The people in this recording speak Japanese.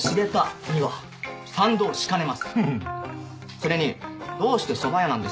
それにどうしてそば屋なんです？